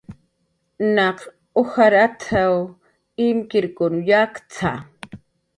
"Naq ujar at""w imkirkun yakt""a"